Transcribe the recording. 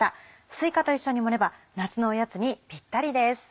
すいかと一緒に盛れば夏のおやつにピッタリです。